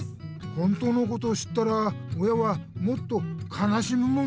本当のことを知ったら親はもっとかなしむもんなあ。